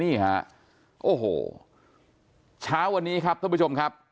นี่ฮะโอ้โหเช้าวันนี้ครับท่านผู้ชมครับ